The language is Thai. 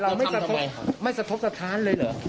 เราทำไปเนี่ยเราไม่สะทบสะทานเลยเหรอ